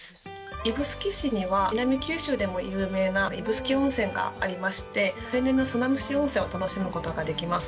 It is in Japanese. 指宿市には南九州でも有名な指宿温泉がありまして、天然の砂むし温泉を楽しむことができます。